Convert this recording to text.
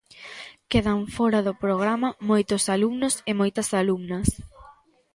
Quedan fóra do programa moitos alumnos e moitas alumnas.